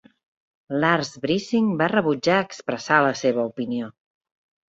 Lars Brising va rebutjar expressar la seva opinió.